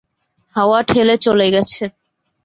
হাওয়া ঠেলে চলে গেছে।